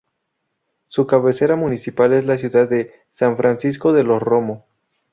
Su cabecera municipal es la ciudad de San Francisco de los Romo.